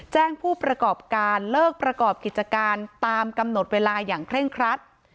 ผู้ประกอบการเลิกประกอบกิจการตามกำหนดเวลาอย่างเคร่งครัด